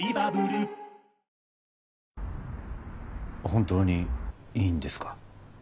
本当にいいんですか？